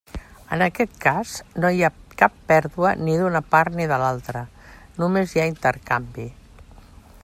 En aquest cas, no hi ha cap pèrdua ni d'una part ni de l'altra, només hi ha intercanvi.